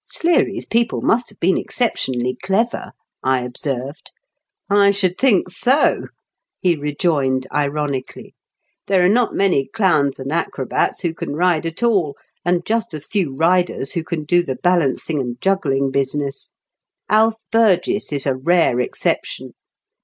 "Sleary's people must have been excep tionally clever," I observed. " I should think so," he rejoined ironically. " There are not many clowns and acrobats who can ride at all, and just as few riders who can do the balancing and juggling business. Alf Burgess is a rare exception.